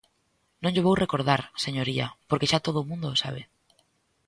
Non llo vou recordar, señoría, porque xa todo o mundo o sabe.